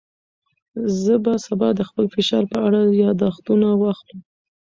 زه به سبا د خپل فشار په اړه یاداښتونه واخلم.